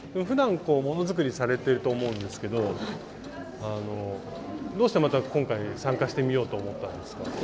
ふだんものづくりされてると思うんですけどどうしてまた今回参加してみようと思ったんですか？